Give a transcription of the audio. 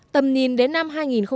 tầm nhìn đến năm hai nghìn hai mươi một